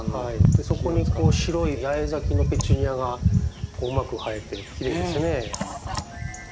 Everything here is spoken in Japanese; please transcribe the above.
そこに白い八重咲きのペチュニアがうまく映えてきれいですね。